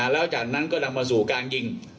แล้วจากนั้นก็นำมาสู่การยิง